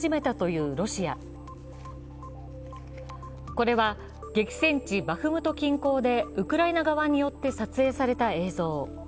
これは激戦地バフムト近郊でウクライナ側によって撮影された映像。